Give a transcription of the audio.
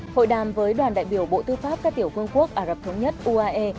hội đàm với đoàn đại biểu bộ tư pháp các tiểu vương quốc ả rập thống nhất uae